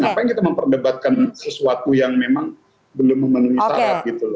ngapain kita memperdebatkan sesuatu yang memang belum memenuhi syarat gitu loh